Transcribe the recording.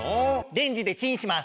レンジでチンします！